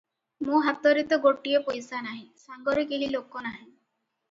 ମୋ ହାତରେ ତ ଗୋଟିଏ ପଇସା ନାହିଁ, ସାଙ୍ଗରେ କେହି ଲୋକ ନାହିଁ ।